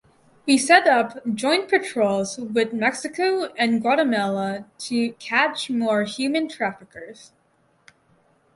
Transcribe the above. We’ve set up joint patrols with Mexico and Guatemala to catch more human traffickers.